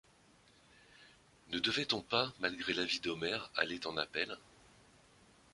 Ne devait-on pas malgré l'avis d'Omer, aller en appel ?